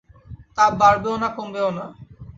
তাপ বাড়বেও না, কমবেও না!